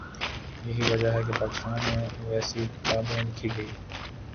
یہی وجہ ہے کہ پاکستان میں ویسی کتابیں لکھی گئیں۔